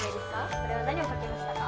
それは何を書きましたか？